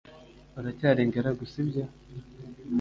Uracyari ingaragu, si byo?